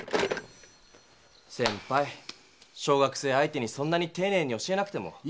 先ぱい小学生相手にそんなにていねいに教えなくても。